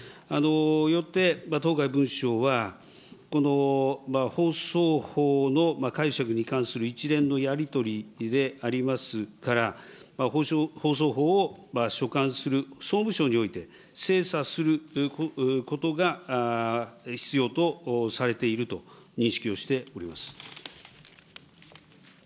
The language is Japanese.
よって当該文書はこの放送法の解釈に関する一連のやり取りでありますから、放送法を所管する総務省において、精査することが必要とされていると認識をしております。